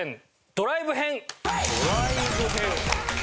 ドライブ編。